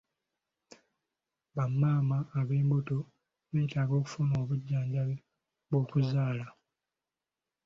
Bamaama ab'embuto beetaaga okufuna obujjanjabi bw'okuzaala.